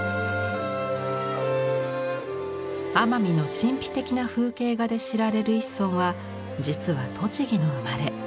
奄美の神秘的な風景画で知られる一村は実は栃木の生まれ。